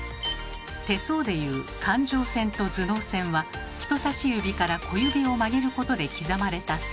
手相でいう感情線と頭脳線は人さし指から小指を曲げることで刻まれた線。